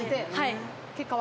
「結果は？」